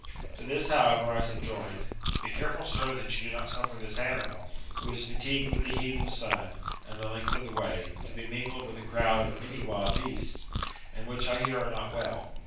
To this, however, I subjoined. Be careful, sir, that you do not suffer this animal, who is fatigued with the heat of the sun, and the length of the way, to be mingled with a crowd of many wild beasts, and which I hear are not well.